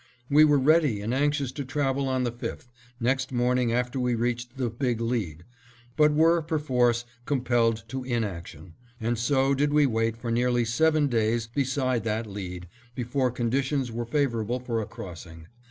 We were ready and anxious to travel on the 5th, next morning after we reached the "Big Lead," but were perforce compelled to inaction. And so did we wait for nearly seven days beside that lead, before conditions were favorable for a crossing.